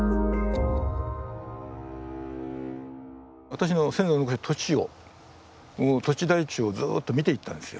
私の先祖の土地を土地台帳をずっと見ていったんですよ。